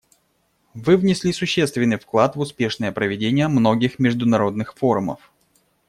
Вы внесли существенный вклад в успешное проведение многих международных форумов.